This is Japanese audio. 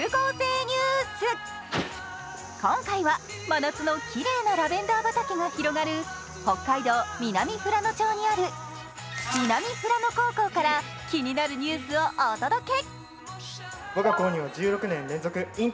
今回は真夏のきれいなラベンダー畑が広がる北海道南富良野町にある南富良野高校から気になるニュースをお届け。